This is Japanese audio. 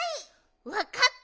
わかった！